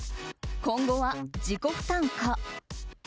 今後は自己負担か。